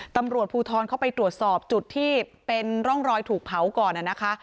ตำรวจภูทรเข้าไปตรวจสอบจุดที่เป็นร่องรอยถูกเผาก่อนนะคะ